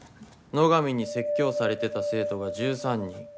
野上に説教されてた生徒が１３人。